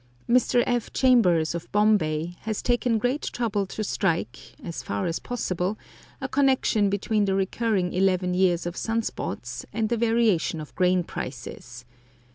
Mr. F. Chambers, of Bombay, has taken great trouble to strike, as far as possible, a connection between the recurring eleven years of sun spots and the variation of grain prices.